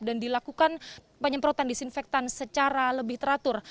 dan dilakukan penyemprotan disinfektan secara lebih teratur